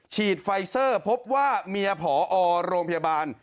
ฉีดไฟเซอร์พบว่าเมียผอโรงพยาบาล